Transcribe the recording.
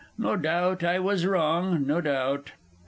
No doubt I was wrong; no doubt.